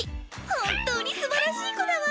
本当にすばらしい子だわ！